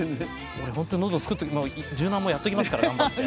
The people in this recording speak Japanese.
俺本当のど作って柔軟もやっておきますから頑張って。